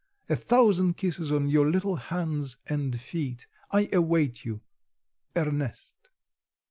A thousand kisses on your little hands and feet. I await you. "Ernest."